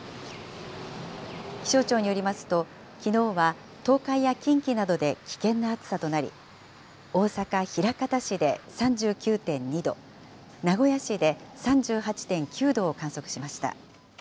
気象庁によりますと、きのうは東海や近畿などで危険な暑さとなり、大阪・枚方市で３９．２度、名古屋市で３８．９度を観測しました。